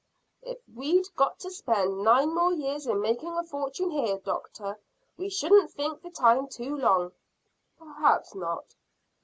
"If we'd got to spend nine more years in making a fortune here, doctor, we shouldn't think the time too long." "Perhaps not."